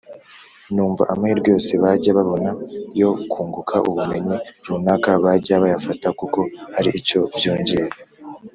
Numva amahirwe yose bajya babona yo kunguka ubumenyi runaka bajya bayafata kuko hari icyo byongera.